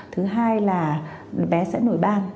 thứ hai là bé sẽ nổi ban